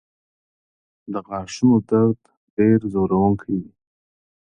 د غاښونو درد ډېر ځورونکی وي.